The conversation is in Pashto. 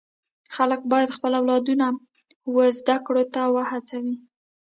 خلک باید خپل اولادونه و زده کړو ته و هڅوي.